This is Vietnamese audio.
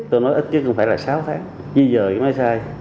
tôi nói ít chứ không phải là sáu tháng di dời cái máy xay